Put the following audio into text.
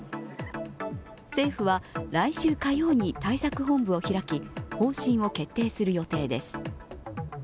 政府は来週火曜に対策本部を開き方針を決定する予定です。